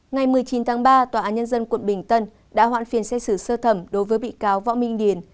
ngày một mươi chín tháng ba tòa án nhân dân quận bình tân đã hoãn phiên xét xử sơ thẩm đối với bị cáo võ minh điền